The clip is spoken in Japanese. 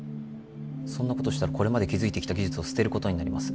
そんなことしたらこれまで築いてきた技術を捨てることになります